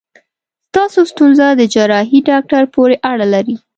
ستاسو ستونزه د جراحي داکټر پورې اړه لري.